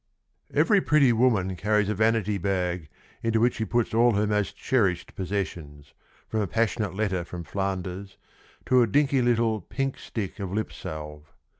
Every pretty woman carries a vanity bag into which she puts all her most cherished possessions, from a passionate letter from Flanders to a dinky little pink stick of lip salve.